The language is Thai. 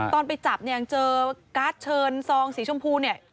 ตอนไปจับเนี่ยเจอการ์ดเชิญซองสีชมพูเนี่ย